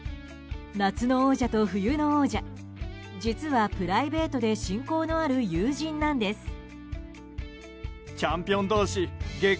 夏の王者と冬の王者実は、プライベートで親交のある友人なんです。